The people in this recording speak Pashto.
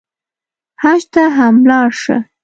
حج ته هم لاړ شه.